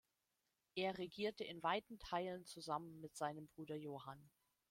Er regierte in weiten Teilen zusammen mit seinem Bruder Johann.